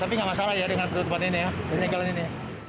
tapi nggak masalah ya dengan penutupan ini ya penyegalan ini